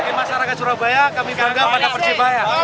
bagi masyarakat surabaya kami bangga pada persebaya